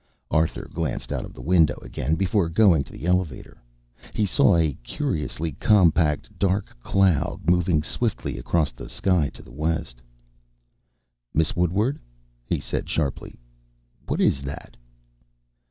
Arthur glanced out of the window again before going to the elevator. He saw a curiously compact dark cloud moving swiftly across the sky to the west. "Miss Woodward," he said sharply, "What is that?"